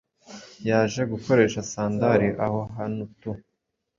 yaje gukoresha sandari aho hanutu